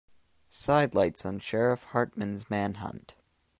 Sidelights on Sheriff Hartman's manhunt.